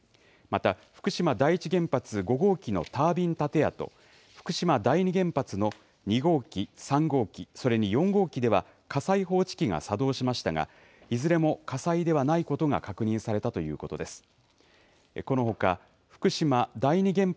また福島第一原発５号機のタービン建屋と福島第二原発の２号機、３号機、それに４号機では火災報知器が作動しましたがいずれも火災ではないことが確認されたということです。